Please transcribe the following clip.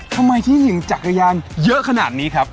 ทำไมที่เห็นจักรยานเยอะขนาดนี้ครับ